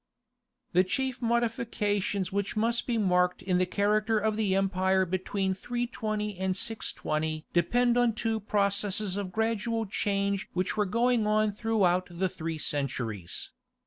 The chief modifications which must be marked in the character of the empire between 320 and 620 depend on two processes of gradual change which were going on throughout the three centuries.